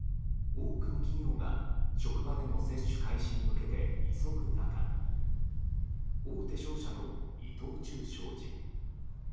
多くの企業が職場での接種開始に向けて急ぐ中大手商社の伊藤忠商事。